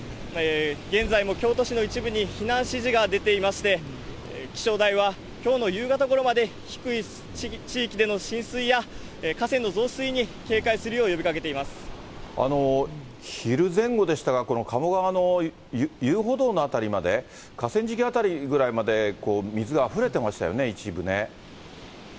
現在も京都市の一部に避難指示が出ていまして、気象台はきょうの夕方ごろまで低い地域での浸水や、河川の増水に昼前後でしたか、この鴨川の遊歩道の辺りまで、河川敷辺りぐらいまで水があふれてましたよね、一部ね。